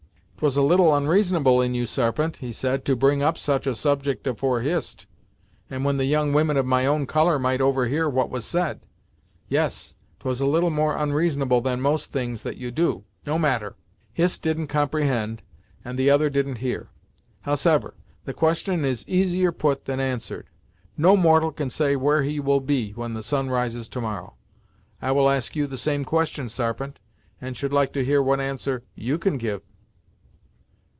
"'Twas a little onreasonable in you Sarpent," he said, "to bring up such a subject afore Hist, and when the young women of my own colour might overhear what was said. Yes, 'twas a little more onreasonable than most things that you do. No matter; Hist didn't comprehend, and the other didn't hear. Howsever, the question is easier put than answered. No mortal can say where he will be when the sun rises to morrow. I will ask you the same question, Sarpent, and should like to hear what answer you can give."